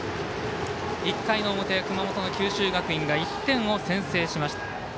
１回の表、熊本の九州学院が１点を先制しました。